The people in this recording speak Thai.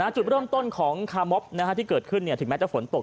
จุดเริ่มต้นของคาร์มอฟที่เกิดขึ้นถึงแม้จะฝนตก